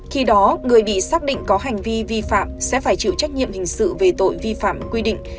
khi đó người bị xác định có hành vi vi phạm sẽ phải chịu trách nhiệm hình sự về tội vi phạm quy định